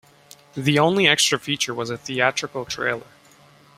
The only extra feature was a theatrical trailer.